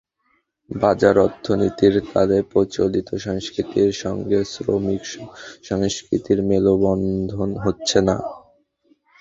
বাজার অর্থনীতির কালে প্রচলিত সংস্কৃতির সঙ্গে শ্রমিক সংস্কৃতির মেলবন্ধন হচ্ছে না।